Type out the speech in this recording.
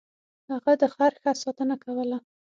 هغه د خر ښه ساتنه کوله.